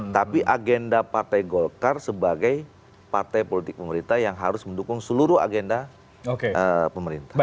tapi agenda partai golkar sebagai partai politik pemerintah yang harus mendukung seluruh agenda pemerintah